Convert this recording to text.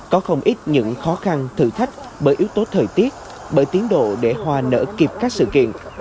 có không ít những khó khăn thử thách bởi yếu tố thời tiết bởi tiến độ để hòa nở kịp các sự kiện